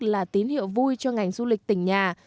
là tín hiệu vui cho ngành du lịch tỉnh nhà